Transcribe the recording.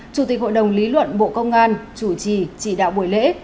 chủ tịch hội đồng lý luận bộ công an chủ trì chỉ đạo buổi lễ